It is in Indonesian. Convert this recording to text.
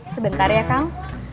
sebentar ya kang